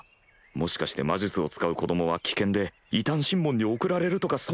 もしかして魔術を使う子供は危険で異端審問に送られるとかそんなだろうか。